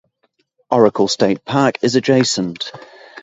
Oracle State Park is adjacent.